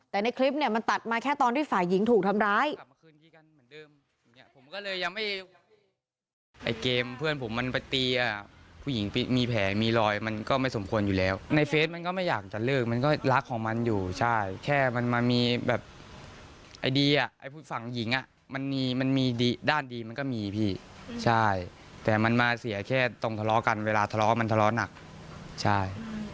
แต่ในคลิปเนี่ยมันตัดมาแค่ตอนที่ฝ่ายหญิงถูกทำร้าย